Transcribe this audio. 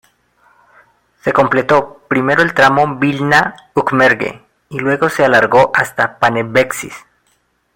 Se completó primero el tramo Vilna-Ukmergė y luego se alargó hasta Panevėžys.